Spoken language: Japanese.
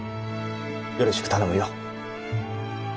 よろしく頼むよ。